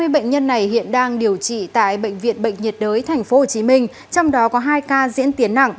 hai mươi bệnh nhân này hiện đang điều trị tại bệnh viện bệnh nhiệt đới tp hcm trong đó có hai ca diễn tiến nặng